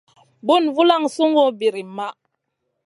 Bùn vulan sungu birim maʼh.